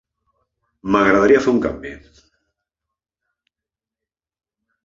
M'agradaria fer un canvi.